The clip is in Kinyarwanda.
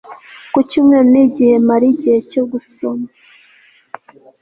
Ku cyumweru ni igihe mara igihe cyo gusoma